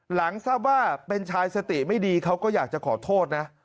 หลังทราบว่าเป็นชายสติไม่ดีเขาก็อยากจะขอโทษนะ